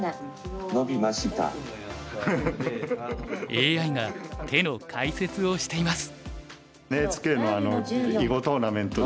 ＡＩが手の解説をしています。